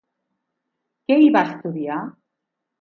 Què hi va estudiar?